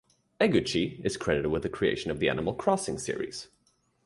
Eguchi is credited with the creation of the "Animal Crossing" series.